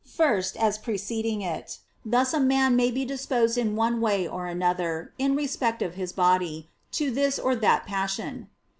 First, as preceding it: thus a man may be disposed in one way or another, in respect of his body, to this or that passion.